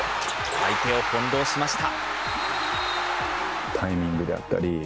相手を翻弄しました。